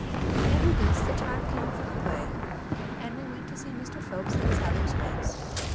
And with this the time came for the play, and we went to see Mr. Phelps at Sadler's Wells.